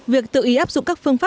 việc tự ý áp dụng các phương pháp